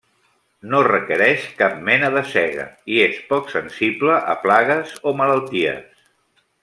No requereix cap mena de sega i és poc sensible a plagues o malalties.